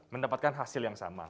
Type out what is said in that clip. mendapatkan hasil yang sama